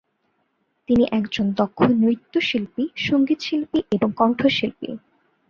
তিনি একজন দক্ষ নৃত্যশিল্পী, সংগীতশিল্পী এবং কণ্ঠশিল্পী।